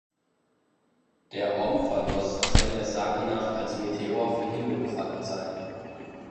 Der Omphalos soll der Sage nach als Meteor vom Himmel gefallen sein.